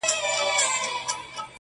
o شېخ د خړپا خبري پټي ساتي.